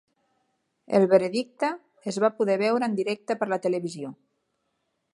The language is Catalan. El veredicte es va poder veure en directe per la televisió.